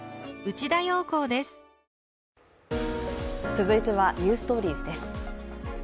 続いては「ｎｅｗｓｔｏｒｉｅｓ」です。